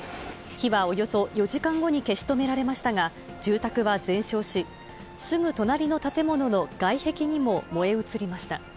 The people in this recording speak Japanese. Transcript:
火はおよそ４時間後に消し止められましたが、住宅は全焼し、すぐ隣の建物の外壁にも燃え移りました。